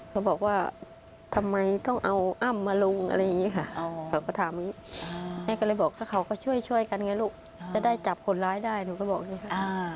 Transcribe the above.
เขาบอกว่าทำไมต้องเอาอ้ำมาลงอะไรอย่างนี้ค่ะเขาก็ถามอย่างนี้แม่ก็เลยบอกเขาก็ช่วยกันไงลูกจะได้จับคนร้ายได้หนูก็บอกอย่างนี้ค่ะ